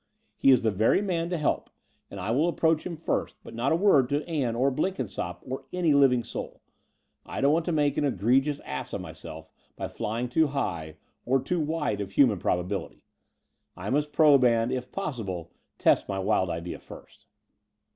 He is the very man to help, and I will approach him first : but not a word to Ann or Blenkinsopp or any living soul. I don't want to make an egregious ass of myself by flying too high, or too wide of human probability. I must probe and, if possible, test my wild idea first."